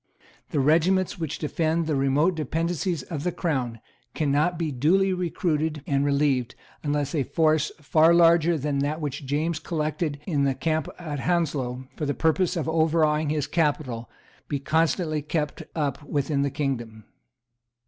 The regiments which defend the remote dependencies of the Crown cannot be duly recruited and relieved, unless a force far larger than that which James collected in the camp at Hounslow for the purpose of overawing his capital be constantly kept up within the kingdom.